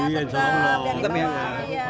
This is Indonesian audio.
iya jangan sampai ini